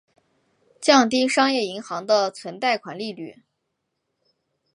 降低商业银行的存贷款利率。